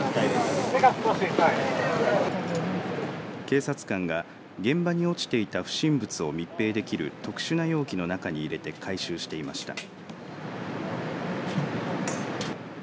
警察官が現場に落ちていた不審物を密閉できる特殊な容器の中に入れて回収していました。